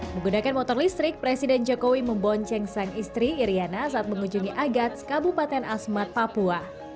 menggunakan motor listrik presiden jokowi membonceng sang istri iryana saat mengunjungi agats kabupaten asmat papua